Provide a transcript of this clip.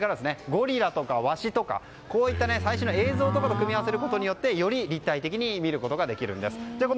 ゴリラとか、ワシとか最新の映像と組み合わせることでより立体的に見ることができるんです。